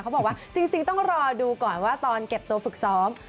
บอกว่าจริงต้องรอดูก่อนว่าตอนเก็บตัวฝึกซ้อม